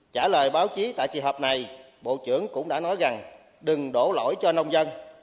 trả lời báo chí tại kỳ họp này bộ trưởng cũng đã nói rằng đừng đổ lỗi cho nông dân